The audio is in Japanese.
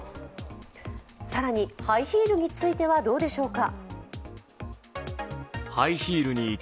更にハイヒールについてはどうでしょうか。